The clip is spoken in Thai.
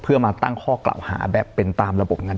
เพื่อมาตั้งข้อกล่าวหาแบบเป็นตามระบบนั้น